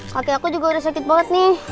kakek aku juga udah sakit banget nih